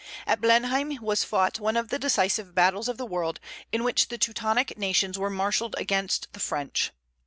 At Blenheim was fought one of the decisive battles of the world, in which the Teutonic nations were marshalled against the French.